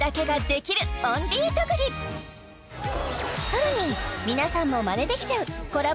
さらに皆さんもマネできちゃうコラボ